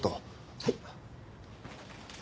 はい？